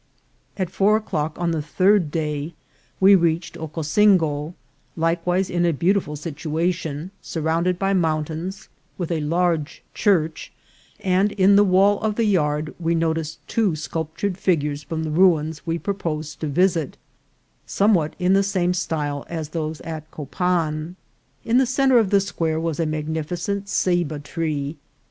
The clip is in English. At four o'clock on the third day we reached Ocosin go, likewise in a beautiful situation, surrounded by mountains, with a large church ; and in the wall of the yard we noticed two sculptured figures from the ruins we proposed to visit, somewhat in the same style as those at Copan. In the centre of the square was a magnificent Ceiba tree.